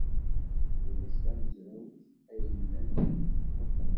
Ulac tamezrawt ay iban.